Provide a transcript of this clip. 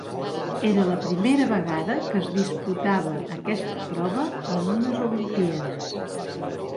Era la primera vegada que es disputava aquesta prova en unes Olimpíades.